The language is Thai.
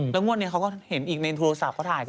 แล้วงวดนี้เขาก็เห็นอีกในโทรศัพท์เขาถ่ายกัน